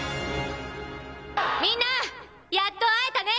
みんな、やっと会えたね。